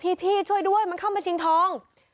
พี่ช่วยด้วยมันเข้ามาชิงทอง